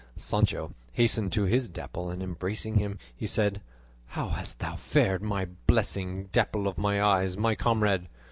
Sancho hastened to his Dapple, and embracing him he said, "How hast thou fared, my blessing, Dapple of my eyes, my comrade?"